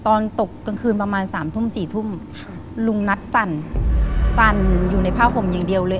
ตอนตกกลางคืนประมาณสามทุ่มสี่ทุ่มลุงนัทสั่นสั่นอยู่ในผ้าห่มอย่างเดียวเลย